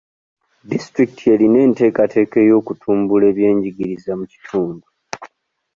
Disitulikiti erina enteekateeka ey'okutumbula ebyenjigiriza mu kitundu.